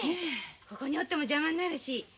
ここにおっても邪魔になるし。